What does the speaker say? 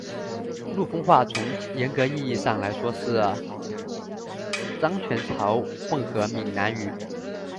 陆丰话从严格意义上来说是漳泉潮混合片闽南语。